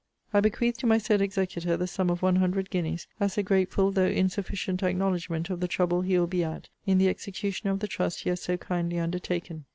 I bequeath to my said executor the sum of one hundred guineas, as a grateful, though insufficient acknowledgment of the trouble he will be at in the execution of the trust he has so kindly undertaken.